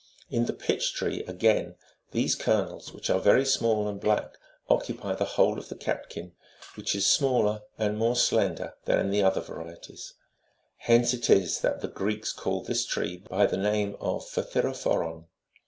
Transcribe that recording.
In the pitch tree, again, these kernels, which are very small and black, occupy the whole of the catkin, which is smaller and more slender than in the other varieties ; hence it is that the Greeks call this tree by the name of phthirophoron.